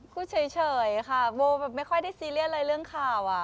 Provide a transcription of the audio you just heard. คุณเฉยค่ะโบสถ์ไม่ค่อยได้เซียเรียนเลยเรื่องข่าวอะ